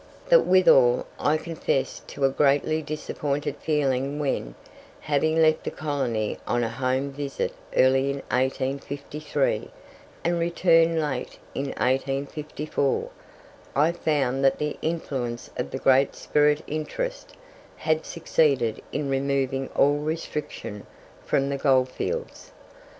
But withal I confess to a greatly disappointed feeling when, having left the colony on a Home visit early in 1853, and returned late in 1854, I found that the influence of the great "spirit interest" had succeeded in removing all restriction from the goldfields.